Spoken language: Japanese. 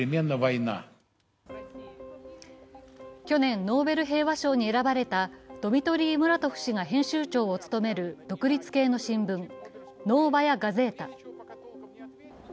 去年、ノーベル平和賞に選ばれたドミトリー・ムラトフ氏が編集長を務める独立系の新聞「ノーバヤ・ガゼータ」。